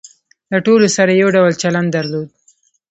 له ټولو سره یې یو ډول چلن درلود.